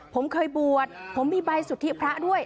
ผมเคยบวชผมมีใบสุทธิพระด้วย